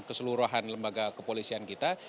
keseluruhan lembaga kepolisian kita